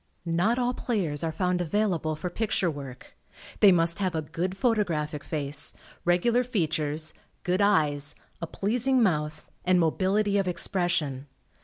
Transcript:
Not all players are found available for picture work. They must have a good photographic face, regular features, good eyes, a pleasing mouth and mobility of expression.